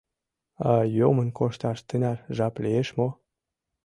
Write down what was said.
— А йомын кошташ тынар жап лиеш мо?